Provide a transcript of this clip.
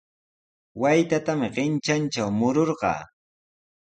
Waytatami qintrantraw mururqaa.